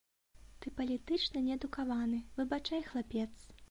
Ты палітычна неадукаваны, выбачай, хлапец.